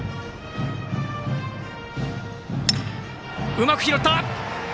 うまく拾った！